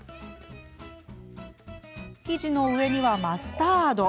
生地の上にはマスタード。